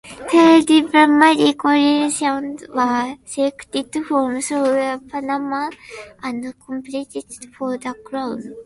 Thirty preliminary contestants were selected from throughout Panama and competed for the crown.